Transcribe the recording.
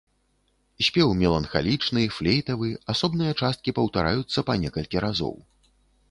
Спеў меланхалічны, флейтавы, асобныя часткі паўтараюцца па некалькі разоў.